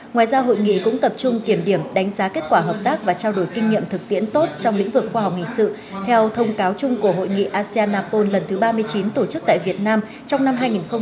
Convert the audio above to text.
ngoài ra hội nghị cũng tập trung kiểm điểm đánh giá kết quả hợp tác và trao đổi kinh nghiệm thực tiễn tốt trong lĩnh vực khoa học hình sự theo thông cáo chung của hội nghị asean apol lần thứ ba mươi chín tổ chức tại việt nam trong năm hai nghìn hai mươi